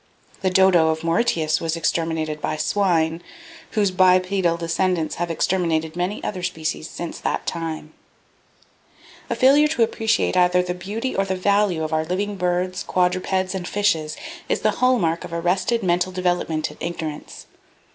The dodo of Mauritius was exterminated by swine, whose bipedal descendants have exterminated many other species since that time. [Page 18] A failure to appreciate either the beauty or the value of our living birds, quadrupeds and fishes is the hall mark of arrested mental development and ignorance.